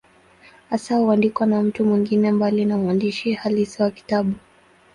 Hasa huandikwa na mtu mwingine, mbali na mwandishi halisi wa kitabu.